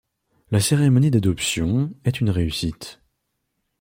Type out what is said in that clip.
La cérémonie d'adoption est une réussite.